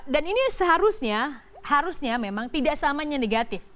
dan ini seharusnya memang tidak samanya negatif